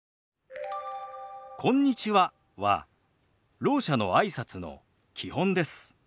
「こんにちは」はろう者のあいさつの基本です。